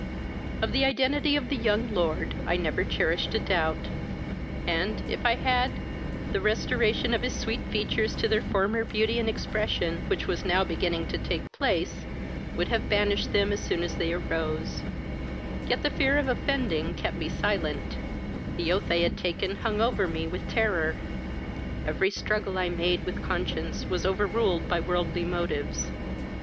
"Of the identity of the young lord I never cherished a doubt; and, if I had, the restoration of his sweet features to their former beauty and expression, which was now beginning to take place, would have banished them as soon as they arose; yet the fear of offending kept me silent: the oath I had taken hung over me with terror; every struggle I made with conscience was over ruled by worldly motives.